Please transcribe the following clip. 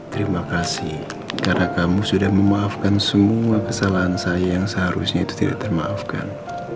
terima kasih karena kamu sudah memaafkan semua kesalahan saya yang seharusnya itu tidak termaafkan